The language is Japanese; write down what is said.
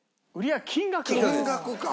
金額か！